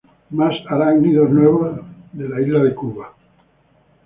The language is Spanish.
Más Arácnidos nuevos de la Isla de Cuba.